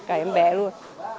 cả em bé luôn